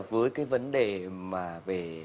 với cái vấn đề mà về